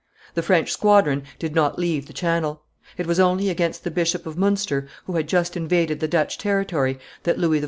The French squadron did not leave the Channel. It was only against the Bishop of Munster, who had just invaded the Dutch territory, that Louis XIV.